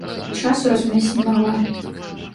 Часу разумець не магла.